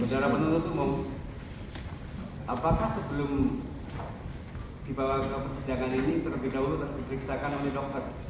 saudara penuntut umum apakah sebelum dibawa ke persidangan ini terlebih dahulu diperiksakan oleh dokter